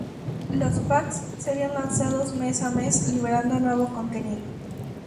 Los "packs" serían lanzados mes a mes liberando nuevo contenido.